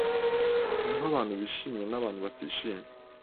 Hariho abantu bishimye nabantu batishimye.